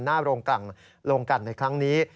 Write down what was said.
หน้าโรงการในครั้งนี้